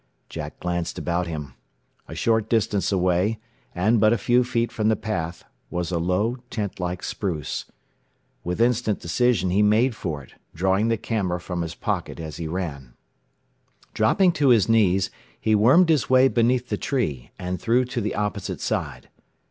Jack glanced about him. A short distance away, and but a few feet from the path, was a low, tent like spruce. With instant decision he made for it, drawing the camera from his pocket as he ran. Dropping to his knees, he wormed his way beneath the tree, and through to the opposite side.